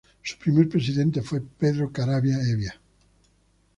Su primer presidente fue Pedro Caravia Hevia.